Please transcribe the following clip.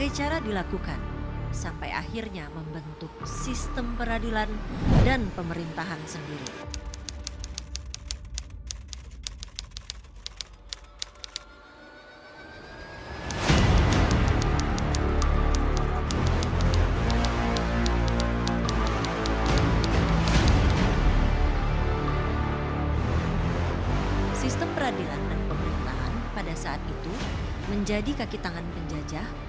sistem peradilan dan pemerintahan pada saat itu menjadi kaki tangan penjajah